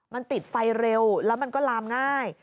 มันติดไฟเร็วแล้วมันก็ลามง่าย